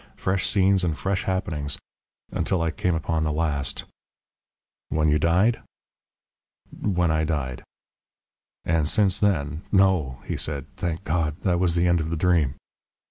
Fresh scenes and fresh happenings until I came upon the last " "When you died?" "When I died." "And since then " "No," he said. "Thank God! That was the end of the dream...."